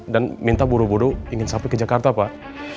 dan minta buru buru ingin sampai ke jakarta pak